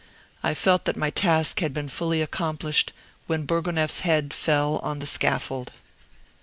I felt that my task had been fully accomplished when Bourgonef's head fell on the scaffold.